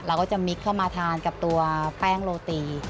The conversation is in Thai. เราก็จะมิกเข้ามาทานกับตัวแป้งโรตี